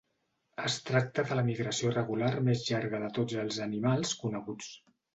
Es tracta de la migració regular més llarga de tots els animals coneguts.